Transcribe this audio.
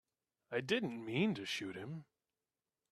I didn't mean to shoot him.